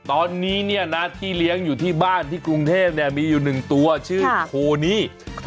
ตอนนี้เนี่ยนะที่เลี้ยงอยู่ที่บ้านที่กรุงเทพมีอยู่๑ตัวชื่อโคนี่